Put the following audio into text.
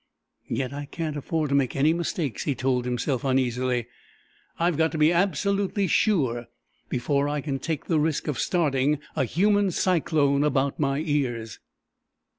"Yet I can't afford to make any mistakes," he told himself, uneasily. "I've got to be absolutely sure before I can take the risk of starting a human cyclone about my ears!"